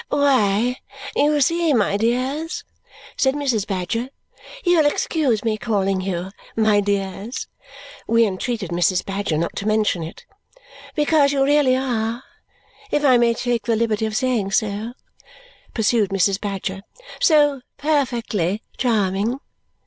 "Why, you see, my dears," said Mrs. Badger, " you'll excuse me calling you my dears?" We entreated Mrs. Badger not to mention it. "Because you really are, if I may take the liberty of saying so," pursued Mrs. Badger, "so perfectly charming.